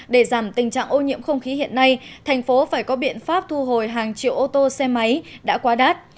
để giảm tình trạng ô nhiễm không khí hiện nay thành phố phải có biện pháp thu hồi hàng triệu ô tô xe máy đã quá đắt